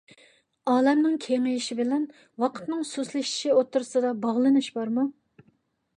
ئالەمنىڭ كېڭىيىشى بىلەن ۋاقىتنىڭ سۇسلىشىشى ئوتتۇرىسىدا باغلىنىش بارمۇ؟